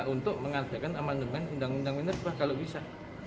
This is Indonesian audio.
untuk mengadakan amandemen undang undang minerba kalau bisa